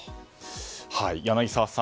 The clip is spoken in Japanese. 柳澤さん。